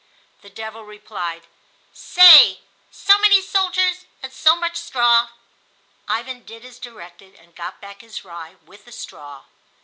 The devil replied: "Say: 'So many soldiers, so much straw.'" Ivan did as directed, and got back his rye with the straw.